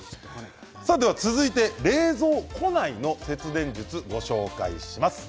続いて冷蔵庫内の節電術をご紹介します。